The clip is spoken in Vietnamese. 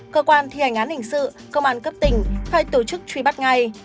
cơ quan thi hành án hình sự công an cấp tỉnh phải tổ chức truy bắt ngay